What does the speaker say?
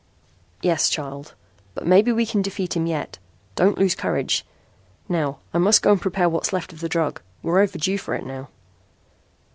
"Yes, child. But maybe we can defeat him yet. Don't lose courage. Now I must go and prepare what's left of the drug. We're overdue for it now."